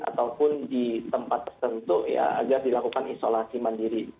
ataupun di tempat tertentu ya agar dilakukan isolasi mandiri